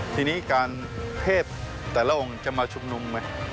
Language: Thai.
ทีนี้การเทพแต่ละองค์จะมาชุมนุมไหม